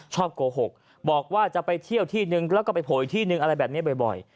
โกหกบอกว่าจะไปเที่ยวที่นึงแล้วก็ไปโผล่อีกที่นึงอะไรแบบนี้บ่อย